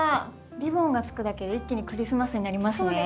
リボンがつくだけで一気にクリスマスになりますね。